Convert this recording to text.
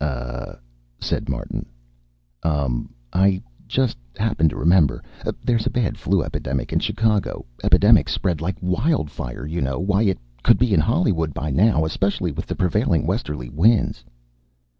"Ah " said Martin. "Um. I just happened to remember. There's a bad flu epidemic in Chicago. Epidemics spread like wildfire, you know. Why, it could be in Hollywood by now especially with the prevailing westerly winds."